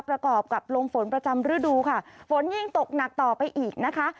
ประกอบกับลมฝนประจำฤดูค่ะฝนยิ่งตกหนักต่อไปอีกนะคะ